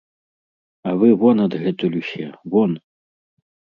А вы вон адгэтуль усе, вон!